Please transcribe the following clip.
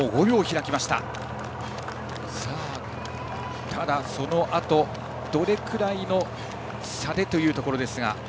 ただ、そのあとどれくらいの差でというところですが。